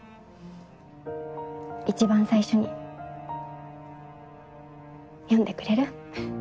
一番最初に読んでくれる？